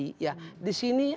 pada saat dilakukan rekonsiliasi